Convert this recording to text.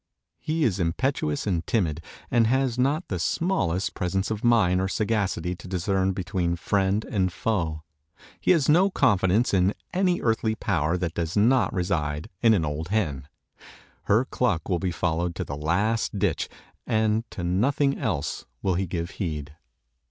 He is impetuous and timid, and has not the smallest presence of mind or sagacity to discern between friend and foe. He has no confidence in any earthly power that does not reside in an old hen. Her cluck will be followed to the last ditch, and to nothing else will he give heed.